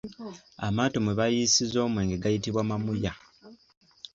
Amaato mwe bayiisizza omwenge gayitibwa Amamuya.